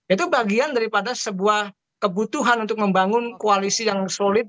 itu bagian daripada sebuah kebutuhan untuk membangun koalisi yang solid